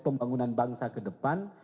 pembangunan bangsa ke depan